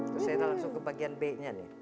terus saya langsung ke bagian b nya nih